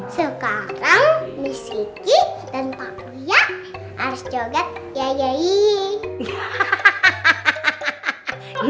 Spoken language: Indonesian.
sekarang misiki dan pak uya harus joget yayayay